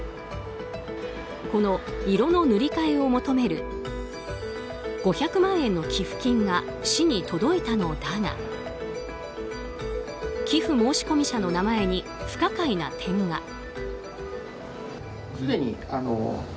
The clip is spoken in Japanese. この色の塗り替えを求める５００万円の寄付金が市に届いたのだが寄付申込者の名前に不可解な点が。